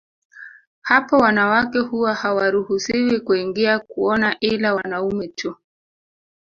Hapo wanawake huwa hawaruhusiwi kuingia kuona ila wanaume tu